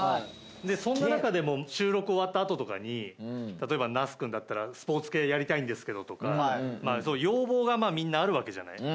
そんな中でも収録終わったあととかに例えば那須君だったら「スポーツ系やりたいんですけど」とかそういう要望がみんなあるわけじゃない。